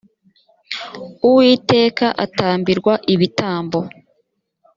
uwiteka atambirwa ibitambo .